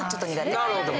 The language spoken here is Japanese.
なるほど！